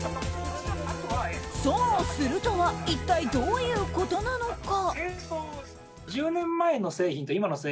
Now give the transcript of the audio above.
損をするとは一体どういうことなのか。